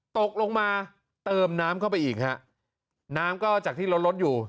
ตกลงมาเติมน้ำเข้าไปอีกฮะน้ำก็จากที่ลดลดอยู่